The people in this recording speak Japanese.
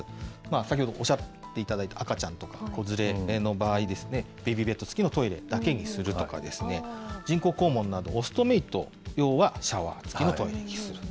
先ほどおっしゃっていただいた、赤ちゃんとか子連れの場合ですね、ベビーベッド付きのトイレだけにするとかですね、人工肛門など、オストメイト用はシャワー付きのトイレにする。